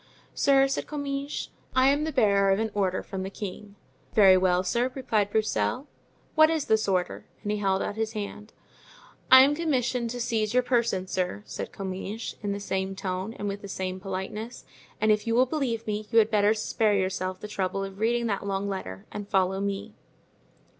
"Sir," said Comminges, "I am the bearer of an order from the king." "Very well, sir," replied Broussel, "what is this order?" And he held out his hand. "I am commissioned to seize your person, sir," said Comminges, in the same tone and with the same politeness; "and if you will believe me you had better spare yourself the trouble of reading that long letter and follow me."